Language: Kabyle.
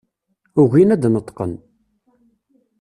Ugin ad d-neṭqen.